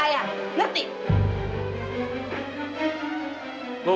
saya yakin sekali kalau cahaya itu anak saya